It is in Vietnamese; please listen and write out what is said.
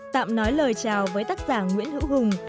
tạm nói lời chào với tác giả nguyễn hữu hùng